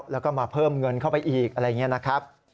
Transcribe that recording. แล้วก็มาเพิ่มเงินเข้าไปอีกอะไรอย่างนี้นะครับ